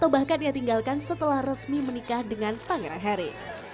bahkan dia tinggalkan setelah resmi menikah dengan pangeran harry